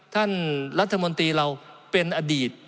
ท่านรัฐมนตรีเราเป็นอดีต